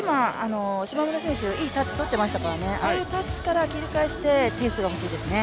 島村選手、いいタッチとっていましたから、こういうタッチから警戒して点数が欲しいですね。